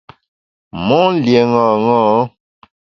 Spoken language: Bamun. Mon lié ṅaṅâ.